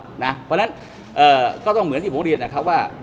เพราะฉะนั้นก็ต้องเหมือนที่ผมเรียนนะครับว่า